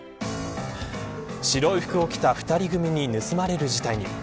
白い服を着た２人組に盗まれる事態に。